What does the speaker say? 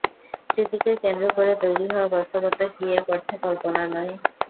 স্মৃতিকে কেন্দ্র করে তৈরী হওয়া বাস্তবতা কি এক অর্থে কল্পনা নয়?